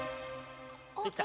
できた！